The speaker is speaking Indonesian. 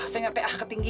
eh siapapun kan